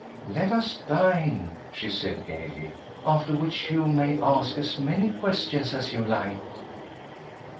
"Let us dine," she said gaily, "after which you may ask as many questions as you like."